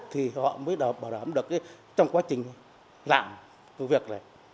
thì họ mới bảo đảm được trong quá trình làm việc này